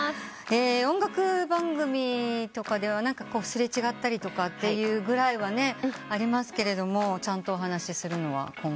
音楽番組とかでは擦れ違ったりとかってぐらいはありますけどちゃんとお話しするのは今回初めてと。